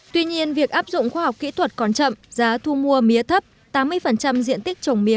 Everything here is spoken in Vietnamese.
tuy nhiên việc áp dụng khoa học kỹ thuật còn chậm giá thu mua mía thấp tám mươi diện tích trồng mía